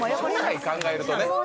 将来考えるとね。